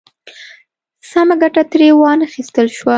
سمه ګټه ترې وا نخیستل شوه.